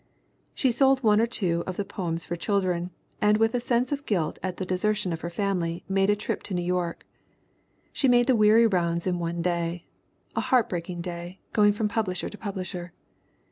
She sold one or two of the poems for children and with a sense of guilt at the desertion of her family made a trip to New York. She made the weary rounds in one day, "a heart breaking day, going from publisher to publisher."